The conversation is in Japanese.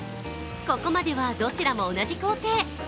ここまでは、どちらも同じ工程。